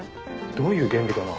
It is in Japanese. どういう原理かな。